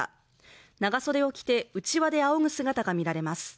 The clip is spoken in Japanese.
長袖を着て、うちわであおぐ姿が見られます。